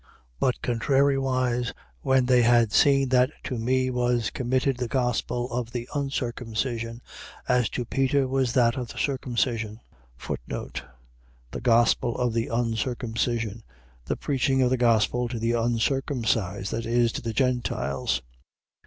2:7. But contrariwise, when they had seen that to me was committed the gospel of the uncircumcision, as to Peter was that of the circumcision. The gospel of the uncircumcision. . .The preaching of the gospel to the uncircumcised, that is, to the Gentiles.